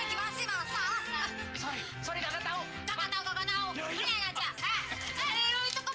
kukumin mak mak mak